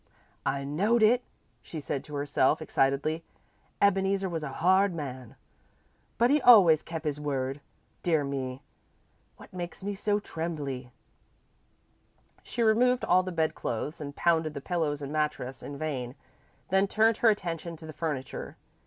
"I knowed it," she said to herself, excitedly. "Ebeneezer was a hard man, but he always kep' his word. Dear me! What makes me so trembly!" She removed all the bedclothes and pounded the pillows and mattress in vain, then turned her attention to the furniture.